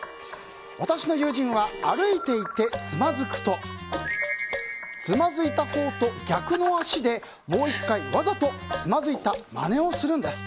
私の友人は歩いていてつまずくとつまずいたほうと逆の足でもう１回わざとつまずいたまねをするんです。